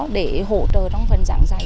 để hỗ trợ trong phần dạng dạy